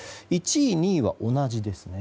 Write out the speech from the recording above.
１位、２位は同じですね。